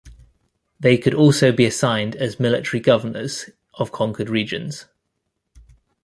They could also be assigned as military governors of conquered regions.